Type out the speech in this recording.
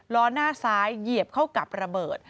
ล้อหน้าซ้ายเหยียบเข้ากับระเบิด